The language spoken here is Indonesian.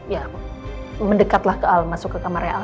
ya mendekatlah ke al masuk ke kamarnya al